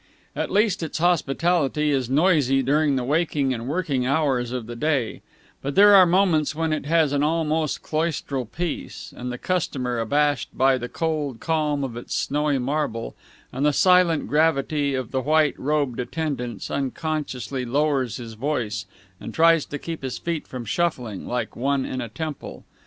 At least, its hospitality is noisy during the waking and working hours of the day; but there are moments when it has an almost cloistral peace, and the customer, abashed by the cold calm of its snowy marble and the silent gravity of the white robed attendants, unconsciously lowers his voice and tries to keep his feet from shuffling, like one in a temple.